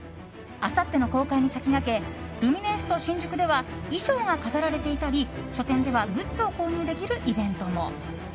あさっての公開に先駆けルミネエスト新宿では衣装が飾られていたり書店ではグッズを購入できるイベントも。